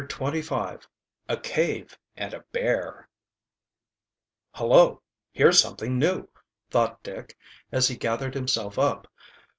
CHAPTER XXV A CAVE AND A BEAR "Hullo, here's something new!" thought Dick, as he gathered himself up.